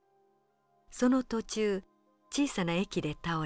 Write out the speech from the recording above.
その途中小さな駅で倒れ